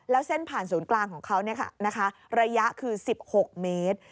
แล้วเส้นผ่านศูนย์กลางของเขาระยะคือ๑๖เมตร